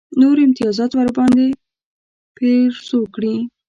نور امتیازات ورباندې پېرزو کړي.